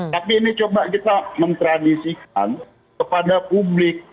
tapi ini coba kita mentradisikan kepada publik